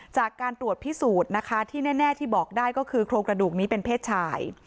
จากการตรวจพิสูจน์นะคะที่แน่ที่บอกได้ก็คือโครงกระดูกนี้เป็นเพศชาย